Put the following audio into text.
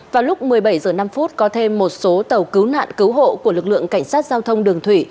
vào lúc một mươi bảy h năm có thêm một số tàu cứu nạn cứu hộ của lực lượng cảnh sát giao thông đường thủy